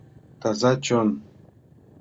Таза чон